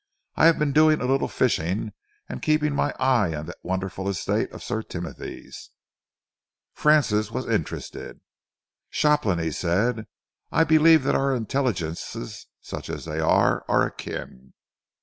I have been doing a little fishing, and keeping my eye on that wonderful estate of Sir Timothy's." Francis was interested. "Shopland," he said, "I believe that our intelligences, such as they are, are akin."